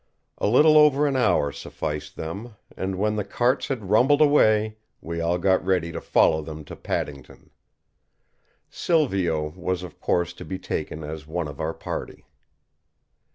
A little over an hour sufficed them, and when the carts had rumbled away, we all got ready to follow them to Paddington. Silvio was of course to be taken as one of our party.